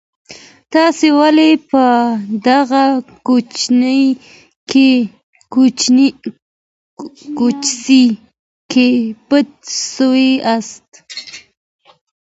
تاسي ولي په دغه کوڅې کي پټ سواست؟